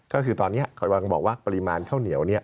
ก็คือตอนนี้คอยบอกว่าปริมาณข้าวเหนียวเนี่ย